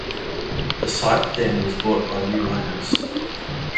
The site then was bought by new owners.